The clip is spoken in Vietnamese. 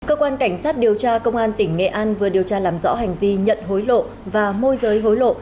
cơ quan cảnh sát điều tra công an tỉnh nghệ an vừa điều tra làm rõ hành vi nhận hối lộ và môi giới hối lộ